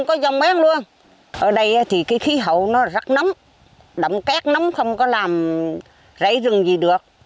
con rông nuôi trong chuồng sinh sản kỳ nhiều